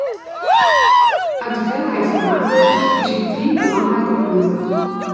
Uit de veelheid van maatregelen kies ik drie belangrijke punten.